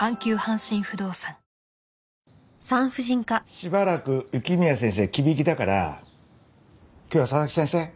しばらく雪宮先生忌引だから今日は佐々木先生。